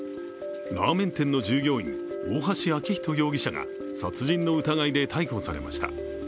ラーメン店の従業員、大橋昭仁容疑者が殺人の疑いで逮捕されました。